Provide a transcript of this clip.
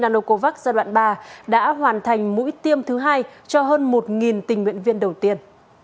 nanocovax giai đoạn ba đã hoàn thành mũi tiêm thứ hai cho hơn một tình nguyện viên đầu tiên